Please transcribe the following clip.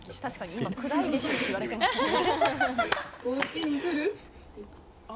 今、暗いでしょう？って言われていましたね。